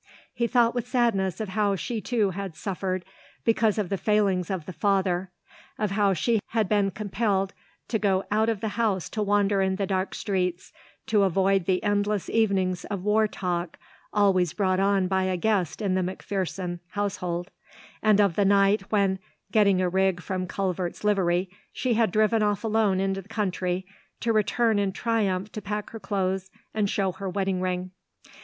He thought with sadness of how she too had suffered because of the failings of the father, of how she had been compelled to go out of the house to wander in the dark streets to avoid the endless evenings of war talk always brought on by a guest in the McPherson household, and of the night when, getting a rig from Culvert's livery, she had driven off alone into the country to return in triumph to pack her clothes and show her wedding ring.